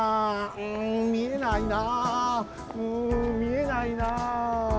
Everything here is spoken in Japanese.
うんみえないなうんみえないな。